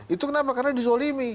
itu kenapa karena di zolimi